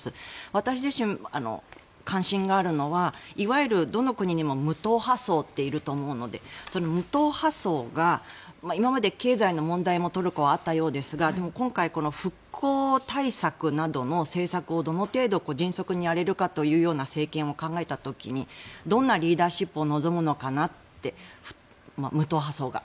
私自身、関心があるのはいわゆるどの国にも無党派層っていると思うのでその無党派層が今まで経済の問題もトルコはあったようですがでも今回、復興対策などの政策をどの程度、迅速にやれるかというような政権を考えた時にどんなリーダーシップを望むのかなって無党派層が。